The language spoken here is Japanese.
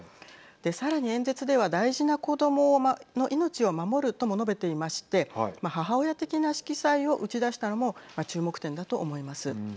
さらに演説では、大事な子どもの命を守るとも述べていまして母親的な色彩を打ち出したのも注目点だと思います。